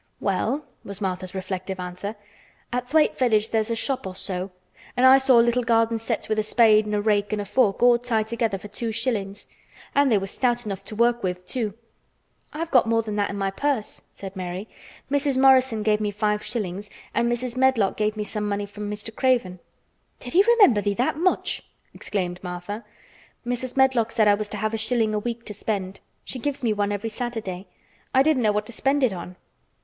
"Well," was Martha's reflective answer, "at Thwaite village there's a shop or so an' I saw little garden sets with a spade an' a rake an' a fork all tied together for two shillings. An' they was stout enough to work with, too." "I've got more than that in my purse," said Mary. "Mrs. Morrison gave me five shillings and Mrs. Medlock gave me some money from Mr. Craven." "Did he remember thee that much?" exclaimed Martha. "Mrs. Medlock said I was to have a shilling a week to spend. She gives me one every Saturday. I didn't know what to spend it on."